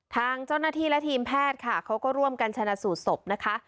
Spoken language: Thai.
ทางเจ้าหน้าที่และทีมแพทย์ค่ะเขาก็ร่วมกันชนะสูตรศพนะคะ